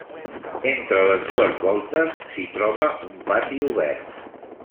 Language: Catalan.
Entre les dues voltes s'hi troba un pati obert.